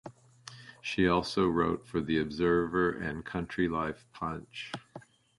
She also wrote for "The Observer" and "Country Life Punch".